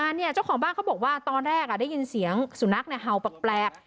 เนี่ยเจ้าของบ้านเขาบอกว่าตอนแรกได้ยินเสียงสุนัขเนี่ยเห่าแปลก